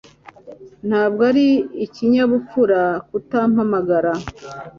Ntabwo ari ikinyabupfura kutampamagara.